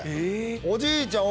おじいちゃん